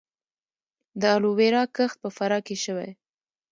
د الوویرا کښت په فراه کې شوی